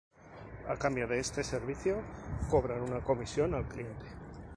A cambio de este servicio, cobran una comisión al cliente.